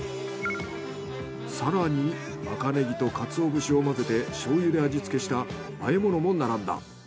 更に赤ネギとかつお節を混ぜて醤油で味付けした和え物も並んだ。